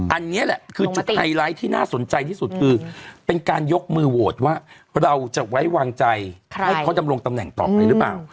อันนี้แหละคือจุดไฮไลท์ที่น่าสนใจที่สุดคือเป็นการยกมือโหวตว่าเราจะไว้วางใจให้เขาดำรงตำแหน่งต่อไปหรือเปล่า